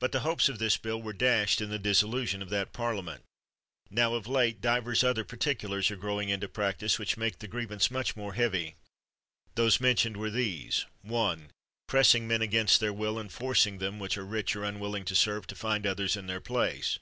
But the hopes of this bill were dashed in the dissolution of that Parliament. Now of late divers other particulars are growing into practise, which make the grievance much more heavy. Those mentioned were these : 1. Pressing men against their will, and forcing them which are rich or unwilling to serve, to find others in their place.